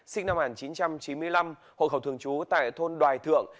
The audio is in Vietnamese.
sinh năm một nghìn chín trăm chín mươi năm hộ khẩu thường trú tại thôn đoài thượng